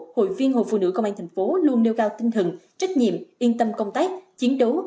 hội viên hội phụ nữ công an thành phố luôn nêu cao tinh thần trách nhiệm yên tâm công tác chiến đấu